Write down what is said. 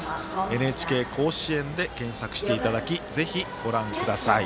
ＮＨＫ甲子園で検索していただきぜひ、ご覧ください。